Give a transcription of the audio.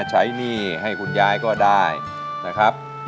หนี้ให้คุณยายก็ได้นะครับ